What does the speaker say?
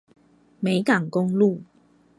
美港公路